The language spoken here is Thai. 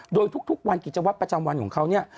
โดยทุกวันกิจวัตรประจำวันของเขาเนี่ย